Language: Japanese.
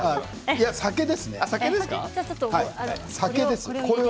酒ですね。